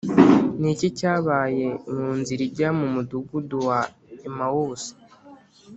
Ni iki cyabaye mu nzira ijya mu mudugudu wa emawusi